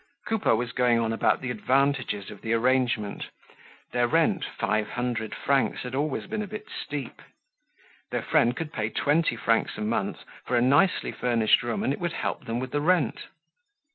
Coupeau was going on about the advantages of the arrangement. Their rent, five hundred francs, had always been a bit steep. Their friend could pay twenty francs a month for a nicely furnished room and it would help them with the rent.